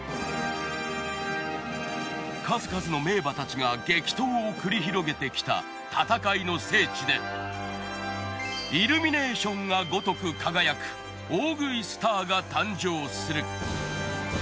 数々の名馬たちが激闘を繰り広げてきた戦いの聖地でイルミネーションがごとく輝く大食いスターが誕生する。